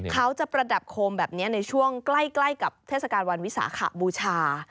เขาจะประดับโคมแบบนี้ในช่วงใกล้กับเทศกาลวันวิสาขบูชา